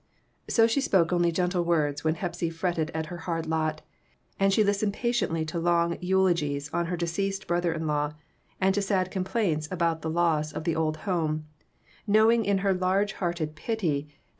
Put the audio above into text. So she spoke only gentle words when Hepsy fretted at her hard lot, and she listened patiently to long eulogies on her deceased brother in law, and to sad complaints about the loss of the old home, knowing in her large hearted pity that PERTURBATIONS.